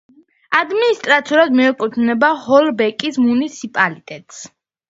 ადმინისტრაციულად მიეკუთვნება ჰოლბეკის მუნიციპალიტეტს.